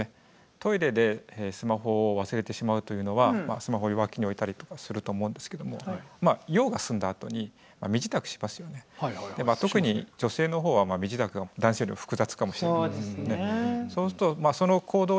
トイレでスマホを忘れてしまうというのはスマホを脇に置いたりとかすると思うんですけども特に女性の方は身支度が男性より複雑かもしれない。